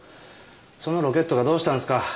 そのロケットがどうしたんすか？